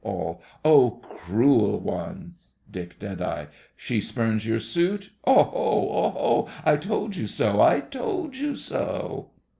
ALL. Oh, cruel one. DICK. She spurns your suit? Oho! Oho! I told you so, I told you so.